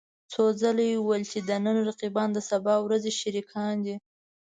څو ځله يې وويل چې د نن رقيبان د سبا ورځې شريکان دي.